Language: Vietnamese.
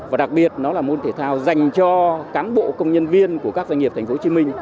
và đặc biệt nó là môn thể thao dành cho cán bộ công nhân viên của các doanh nghiệp tp hcm